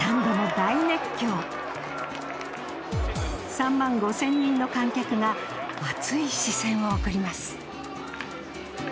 ３万５０００人の観客が熱い視線を送ります。